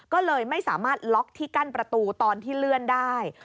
ก็เลยไม่สามารถล็อกที่กั้นประตูตอนที่เลื่อนได้